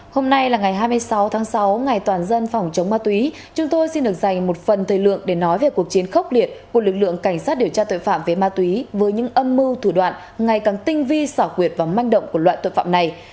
hôm nay là ngày hai mươi sáu tháng sáu ngày toàn dân phòng chống ma túy chúng tôi xin được dành một phần thời lượng để nói về cuộc chiến khốc liệt của lực lượng cảnh sát điều tra tội phạm về ma túy với những âm mưu thủ đoạn ngày càng tinh vi xảo quyệt và manh động của loại tội phạm này